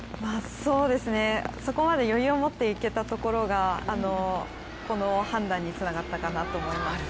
そこまで余裕を持っていけたところがこの判断につながったかなと思います。